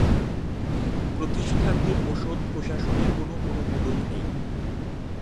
প্রতিষ্ঠানটির ঔষধ প্রশাসনের কোনো অনুমোদন নেই।